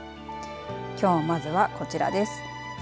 きょう、まずはこちらです。